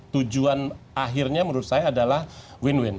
tujuan akhirnya menurut saya adalah win win